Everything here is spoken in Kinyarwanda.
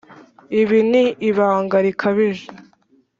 ibi ni ibanga rikabije.